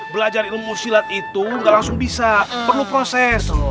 belajar ilmu silat itu nggak langsung bisa perlu proses